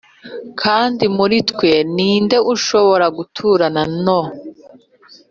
Kandi muri twe ni nde uzashobora guturana no